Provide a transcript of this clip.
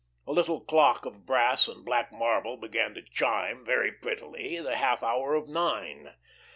A little clock of brass and black marble began to chime, very prettily, the half hour of nine.